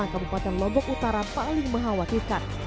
dan kabupaten lombok utara paling menghawatirkan